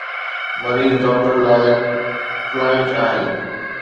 مريض ڊاڪٽر لاء "ڪائنٽ" آهي.